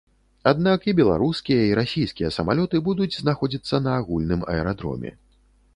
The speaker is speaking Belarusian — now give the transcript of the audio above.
Аднак, і беларускія, і расійскія самалёты будуць знаходзіцца на агульным аэрадроме.